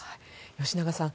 吉永さん